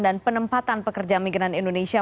dan penempatan pekerja migran indonesia